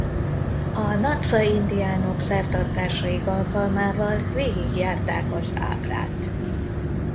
A nazca-indiánok szertartásaik alkalmával végig járták az ábrát.